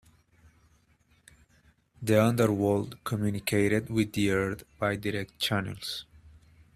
The Underworld communicated with the earth by direct channels.